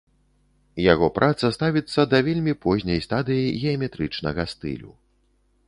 Яго праца ставіцца да вельмі позняй стадыі геаметрычнага стылю.